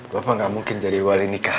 bapak gak mungkin jadi wali nikah